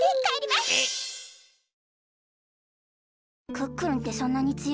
クックルンってそんなにつよいの？